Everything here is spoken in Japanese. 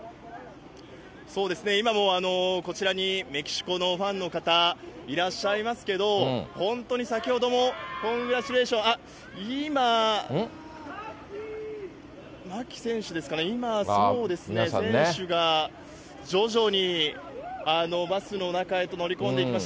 今もこちらにメキシコのファンの方いらっしゃいますけど、本当に先ほどもコングラッチュレーション、今、牧選手ですかね、今、そうですね、選手が徐々にバスの中へと乗り込んでいきます。